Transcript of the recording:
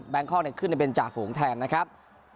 แบงคล่อนั้นขึ้นเป็นจ่าฝงแทนนะครับ